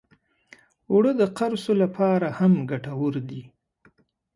اوړه د قرصو لپاره هم ګټور دي